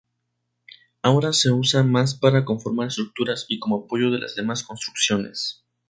Ahora, se usa más para conformar estructuras y como apoyo a las demás construcciones.